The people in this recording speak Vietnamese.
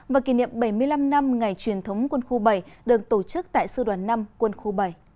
và kỷ niệm bảy mươi năm năm ngày truyền thống quân khu bảy được tổ chức tại sư đoàn năm quân khu bảy